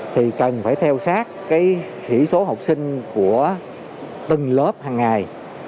thì cần phải theo sát cái sĩ số học sinh của từng lớp hằng ngày